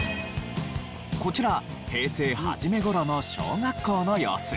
こちら平成初め頃の小学校の様子。